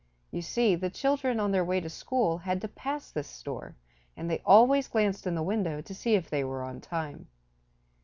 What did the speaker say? You see the children on their way to school had to pass this store, and they always glanced in the window to see if they were on time.